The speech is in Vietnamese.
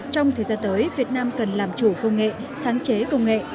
trong thời gian tới việt nam cần làm chủ công nghệ sáng chế công nghệ